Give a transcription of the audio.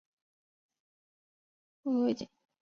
王寻被王莽封为丕进侯。